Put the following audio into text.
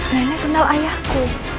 nenek kenal ayahku